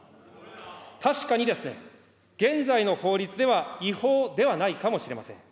確かに、現在の法律では違法ではないかもしれません。